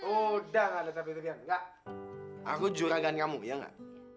udah gak ada tapi tapian enggak aku juragan kamu iya gak